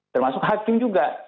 termasuk hakim juga